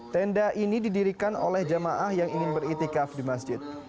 tenda ini didirikan oleh jamaah yang ingin beritikaf di masjid